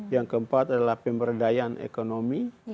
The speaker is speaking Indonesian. yang keempat adalah pemberdayaan ekonomi